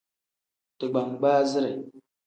Digbangbaazire.